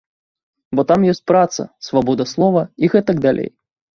Бо там ёсць праца, свабода слова і гэтак далей.